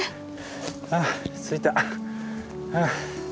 あっ着いた。